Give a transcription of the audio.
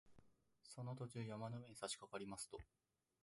その途中、山の上にさしかかりますと